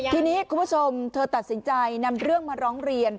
ทีนี้คุณผู้ชมเธอตัดสินใจนำเรื่องมาร้องเรียน